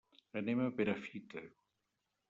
Anem a Perafita.